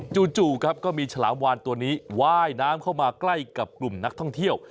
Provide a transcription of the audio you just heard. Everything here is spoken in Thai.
จู่ครับก็มีฉลามวานตัวนี้ว่ายน้ำเข้ามาใกล้กับกลุ่มนักท่องเที่ยว